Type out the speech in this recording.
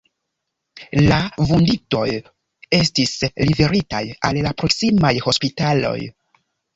La vunditoj estis liveritaj al la proksimaj hospitaloj.